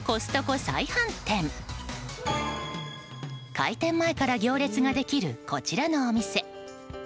開店前から行列ができるこちらのお店。